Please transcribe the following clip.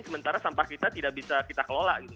sementara sampah kita tidak bisa kita kelola